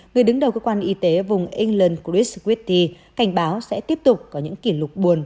người đứng đầu cơ quan y tế vùng england christritti cảnh báo sẽ tiếp tục có những kỷ lục buồn